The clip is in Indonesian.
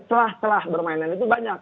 setelah bermainan itu banyak